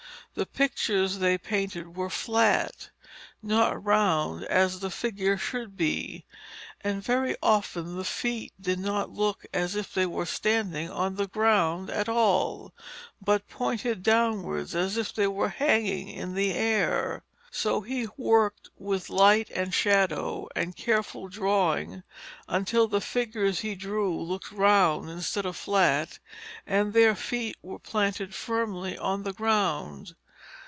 The pictures they painted were flat, not round as a figure should be, and very often the feet did not look as if they were standing on the ground at all, but pointed downwards as if they were hanging in the air. So he worked with light and shadow and careful drawing until the figures he drew looked rounded instead of flat, and their feet were planted firmly on the ground.